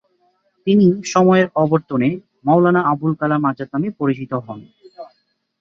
তিনি সময়ের আবর্তনে মওলানা আবুল কালাম আজাদ নামে পরিচিত হন।